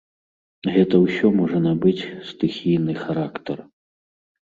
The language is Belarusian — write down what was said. Гэта ўсё можа набыць стыхійны характар.